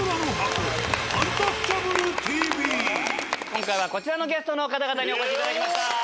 今回はこちらのゲストの方々にお越しいただきました。